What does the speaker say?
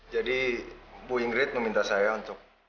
jadi bu ingrid meminta saya untuk